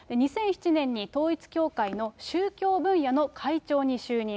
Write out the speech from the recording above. ２００７年に統一教会の宗教分野の会長に就任。